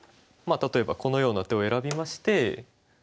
まあ例えばこのような手を選びまして。